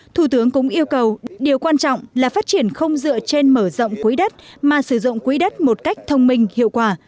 thủ tướng cũng yêu cầu điều quan trọng là phát triển không dựa trên mở rộng quỹ đất mà sử dụng quỹ đất một cách thông minh hiệu quả